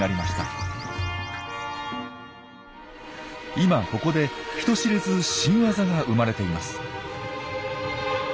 今ここで人知れず新ワザが生まれています。